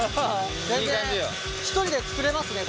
全然一人で作れますね